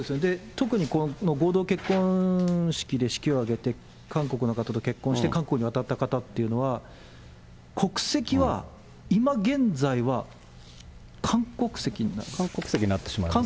特にこの合同結婚式で式を挙げて、韓国の方と結婚して韓国に渡った方というのは、韓国籍になってしまいますよ